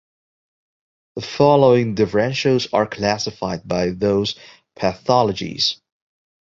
The following differentials are classified by those pathologies.